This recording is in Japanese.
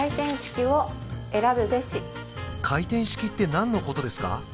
回転式って何のことですか？